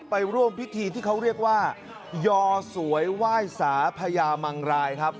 ไปร่วมพิธีที่เขาเรียกว่ายอสวยไหว้สาพญามังรายครับ